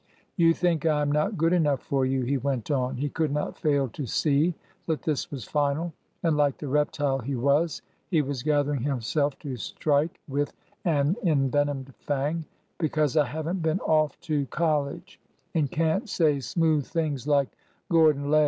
You think I am not good enough for you," he went on,— he could not fail to see that this was final, and, like the reptile he was, he was gathering himself to strike with an envenomed fang, — because I have n't been off to col lege, and can't say smooth things like Gordon Lay!